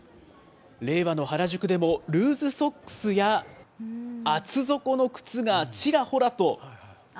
令和の原宿でもルーズソックスや厚底の靴がちらほらと。